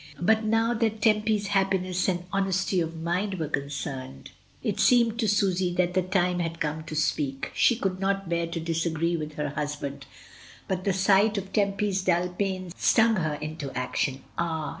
But now that Tempy's happiness and honesty of mind were concerned, it seemed to Susy that the time had come to speak. She could not bear to disagree with her husband, but the sight 1 6 MRS. DYMOND. of Tempy's dull pain stung her into action. Ah!